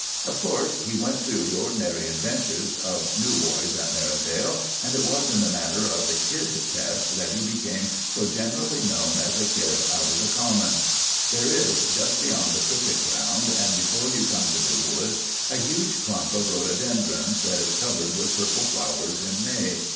Of course he went through the ordinary adventures of new boys at Merivale, and it was in the matter of the 'kid test' that he became so generally known as a kid out of the common. There is, just beyond the cricket ground, and before you come to the wood, a huge clump of rhododendrons that is covered with purple flowers in May.